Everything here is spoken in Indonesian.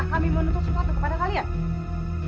kami mau nuntut sesuatu kepada kalian